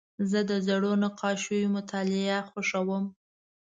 زه د زړو نقاشیو مطالعه خوښوم.